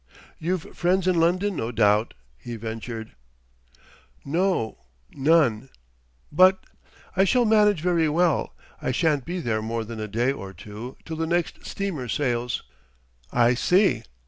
"You've friends in London, no doubt?" he ventured. "No none." "But " "I shall manage very well. I shan't be there more than a day or two till the next steamer sails." "I see."